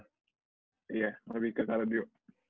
iya lebih ke kardio